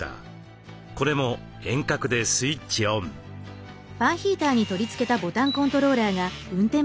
これも遠隔でスイッチオン。